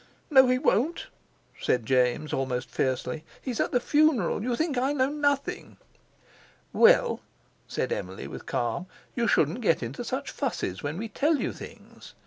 "No, he won't," said James, almost fiercely; "he's at the funeral. You think I know nothing." "Well," said Emily with calm, "you shouldn't get into such fusses when we tell you things."